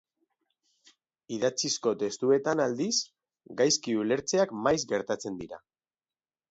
Idatzizko testuetan, aldiz, gaizki-ulertzeak maiz gertatzen dira.